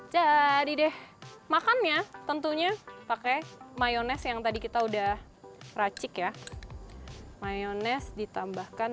jadi deh makannya tentunya pakai mayonese yang tadi kita udah racik ya mayonese ditambahkan